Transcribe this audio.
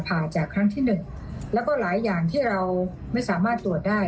ผ่าจากครั้งที่หนึ่งแล้วก็หลายอย่างที่เราไม่สามารถตรวจได้